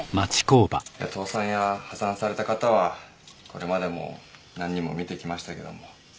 倒産や破算された方はこれまでも何人も見てきましたけども。